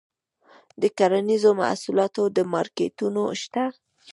د کرنیزو محصولاتو مارکیټونه شته؟